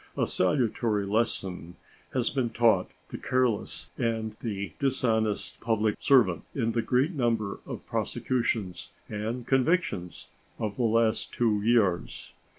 A salutary lesson has been taught the careless and the dishonest public servant in the great number of prosecutions and convictions of the last two years.